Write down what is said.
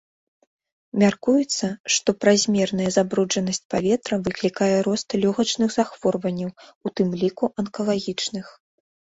Мяркуецца, што празмерная забруджанасць паветра выклікае рост лёгачных захворванняў, у тым ліку анкалагічных.